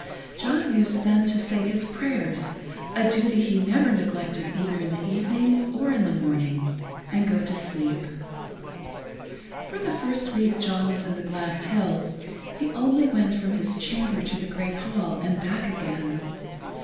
John used then to say his prayers, a duty he never neglected either in the evening or in the morning, and go to sleep. For the first week John was in the glass hill, he only went from his chamber to the great hall and back again.